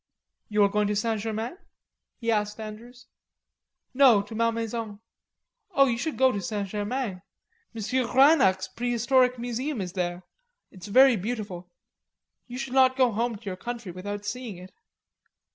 "You are going to St. Germain?" he asked Andrews. "No, to Malmaison." "Oh, you should go to St. Germain. M. Reinach's prehistoric museum is there. It is very beautiful. You should not go home to your country without seeing it."